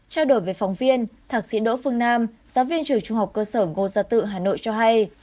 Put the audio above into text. trao đổi với phóng viên thạc sĩ đỗ phương nam giáo viên trường trung học cơ sở ngô gia tự hà nội cho hay